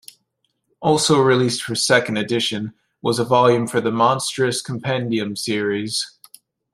Also released for second edition was a volume for the "Monstrous Compendium" series.